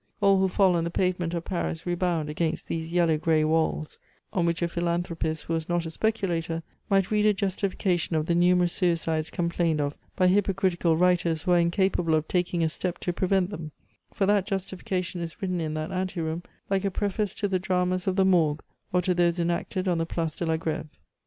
All who fall on the pavement of Paris rebound against these yellow gray walls, on which a philanthropist who was not a speculator might read a justification of the numerous suicides complained of by hypocritical writers who are incapable of taking a step to prevent them for that justification is written in that ante room, like a preface to the dramas of the Morgue, or to those enacted on the Place de la Greve.